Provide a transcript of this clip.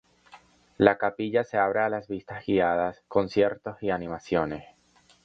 La capilla se abre a las visitas guiadas, conciertos y animaciones.